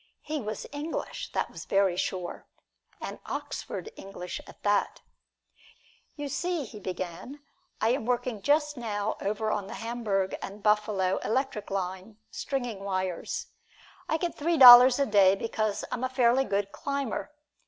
He was English, that was very sure and Oxford English at that. "You see," he began, "I am working just now over on the Hamburg and Buffalo Electric Line, stringing wires. I get three dollars a day because I'm a fairly good climber.